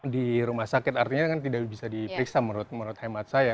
di rumah sakit artinya kan tidak bisa diperiksa menurut hemat saya